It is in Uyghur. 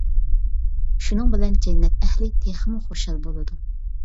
شۇنىڭ بىلەن جەننەت ئەھلى تېخىمۇ خۇشال بولىدۇ.